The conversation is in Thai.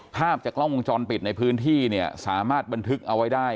ภาพจากกล้องวงจรปิดในพื้นที่เนี่ยสามารถบันทึกเอาไว้ได้